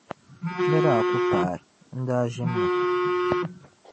Ni daa ku paai, n'daa ʒini mi.